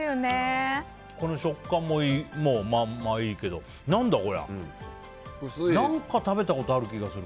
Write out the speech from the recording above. この食感もいいけど何だこりゃ？何か食べたことある気がする。